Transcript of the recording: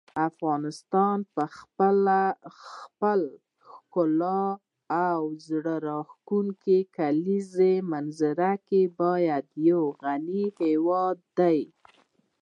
افغانستان په خپله ښکلې او زړه راښکونکې کلیزو منظره باندې یو غني هېواد دی.